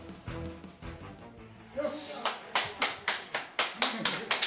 よし！